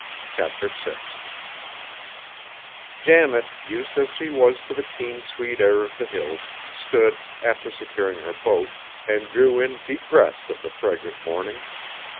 CHAPTER VI Janet, used as she was to the keen, sweet air of the Hills, stood, after securing her boat, and drew in deep breaths of the fragrant morning.